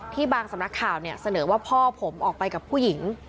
บางสำนักข่าวเนี่ยเสนอว่าพ่อผมออกไปกับผู้หญิง